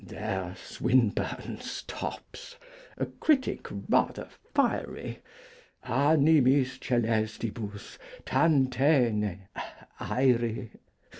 There Swinburne stops: a critic rather fiery. Animis caelestibus tantaene irae?